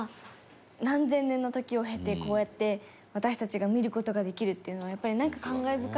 何千年の時を経てこうやって私たちが見る事ができるっていうのはやっぱりなんか感慨深いですよね